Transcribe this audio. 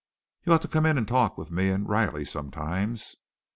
"You ought to come in and talk with me and Riley sometimes."